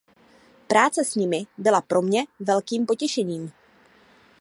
Práce s nimi byla pro mě velkým potěšením.